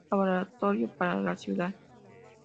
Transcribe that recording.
Laboratorio para la Ciudad.